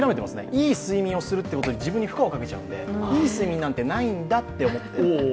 いい睡眠をするということに自分に負荷をかけちゃうので、いい睡眠なんてないんだと。